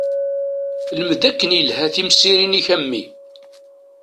Lmed akken ilha timsirin-ik a mmi!